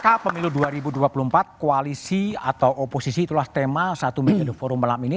ketika pemilu dua ribu dua puluh empat koalisi atau oposisi itulah tema satu metode forum malam ini